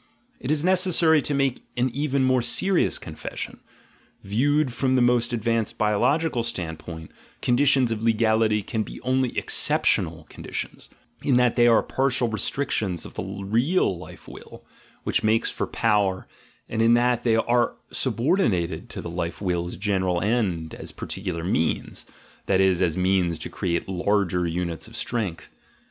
It is necessary to make an even more serious confession: — viewed from the most advanced biological standpoint, conditions of legality can be only exceptional conditions, in that they are partial restrictions of the real life will, which makes for power, and in that they are subordinated to the life will's general end as particular means, that is, as means to create larger units of strength.